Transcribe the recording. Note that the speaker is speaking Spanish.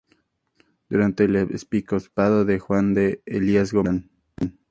Durante el episcopado de D. Juan Elías Gómez de Terán.